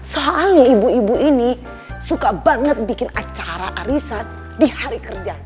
soalnya ibu ibu ini suka banget bikin acara arisan di hari kerja